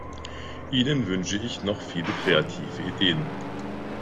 Ihnen wünsche ich noch viele kreative Ideen!